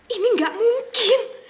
ini gak mungkin